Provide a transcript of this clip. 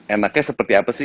enaknya seperti apa sih